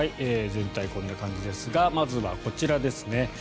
全体、こんな感じですがまずはこちらですね。